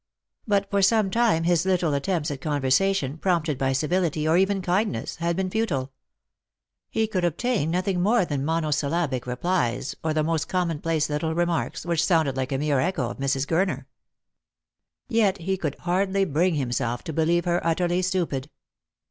But for some time his little attempts at conversa tion, prompted by civility or even kindness, had been futile. lie could obtain nothing more than monosyllabic replies or the most commonplace little remarks, which sounded like a mere echo of Mrs. Gurner. Yet he could hardly bring himself to believe her utterly stupid.